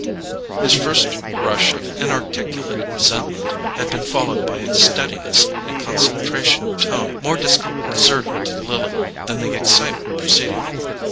His first rush of inarticulate resentment had been followed by a steadiness and concentration of tone more disconcerting to Lily than the excitement preceding it.